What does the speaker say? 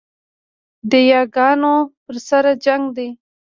د یاګانو پر سر جنګ دی